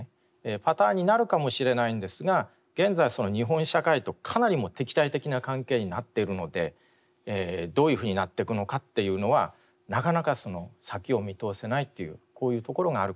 パターンになるかもしれないんですが現在日本社会とかなり敵対的な関係になっているのでどういうふうになっていくのかっていうのはなかなか先を見通せないっていうこういうところがあるかなと思います。